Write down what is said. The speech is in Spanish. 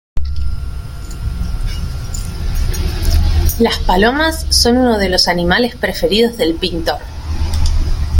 Las palomas son unos de los animales preferidos del pintor.